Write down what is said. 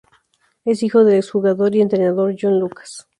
Es hijo del exjugador y entrenador John Lucas.